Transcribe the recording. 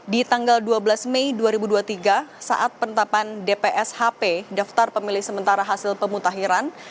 di tanggal dua belas mei dua ribu dua puluh tiga saat penetapan dpshp daftar pemilih sementara hasil pemutahiran